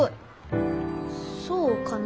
そうかな？